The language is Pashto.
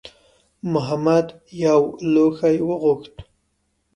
محمد یو لوښی وغوښت.